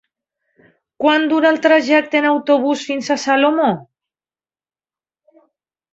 Quant dura el trajecte en autobús fins a Salomó?